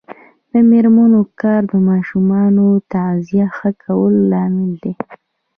د میرمنو کار د ماشومانو تغذیه ښه کولو لامل دی.